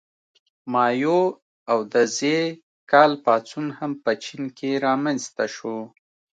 مائو او د ز کال پاڅون هم په چین کې رامنځته شو.